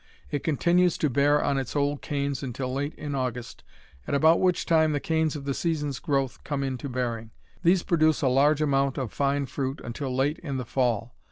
It continues to bear on its old canes until late in August, at about which time the canes of the season's growth come into bearing. These produce a large amount of fine fruit until late in the fall.